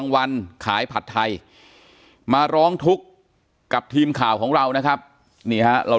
วันขายผัดไทยมาร้องทุกข์กับทีมข่าวของเรานะครับนี่ฮะเรา